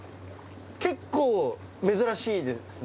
結構珍しいですね。